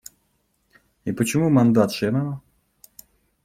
И почему мандат Шэннона?